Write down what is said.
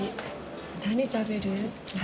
何食べる？